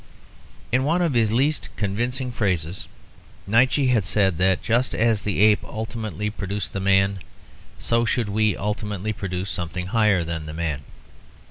In one of his least convincing phrases, Nietzsche had said that just as the ape ultimately produced the man, so should we ultimately produce something higher than the man.